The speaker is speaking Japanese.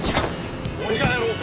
俺がやろうか？